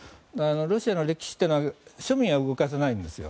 ロシアの歴史というのは庶民は動かせないんですよ。